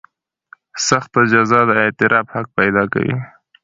سخته جزا د اعتراض حق پیدا کوي.